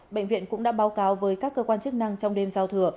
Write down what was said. bệnh viện cũng đã báo cáo với các cơ quan chức năng trong đêm giao thừa